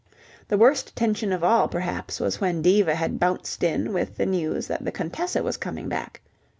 The worst tension of all, perhaps, was when Diva had bounced in with the news that the Contessa was coming back.